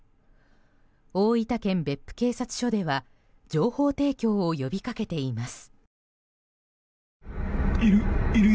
大分県別府警察署では情報提供を呼び掛けています。